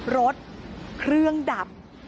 รถเครื่องดับ